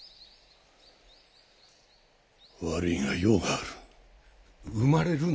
悪いが用がある。